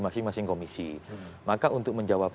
masing masing komisi maka untuk menjawab